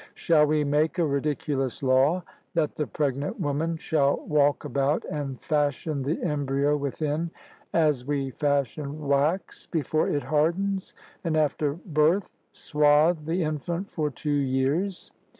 Shall we make a ridiculous law that the pregnant woman shall walk about and fashion the embryo within as we fashion wax before it hardens, and after birth swathe the infant for two years?